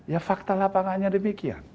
ya fakta lapangannya demikian